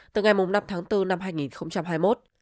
từ ngày năm tháng bốn năm hai nghìn hai mươi một